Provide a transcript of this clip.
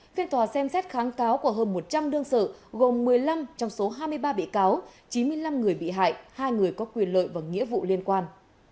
phiên tòa xem xét kháng cáo của hơn một trăm linh đương sự gồm một mươi năm trong số hai mươi ba bị cáo chín mươi năm người bị hại hai người có quyền lợi và nghĩa vụ liên quan